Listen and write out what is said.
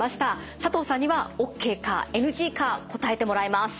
佐藤さんにはＯＫかＮＧか答えてもらいます。